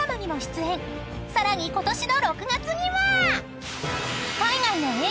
［さらにことしの６月には］